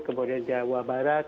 kemudian jawa barat